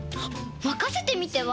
まかせてみては？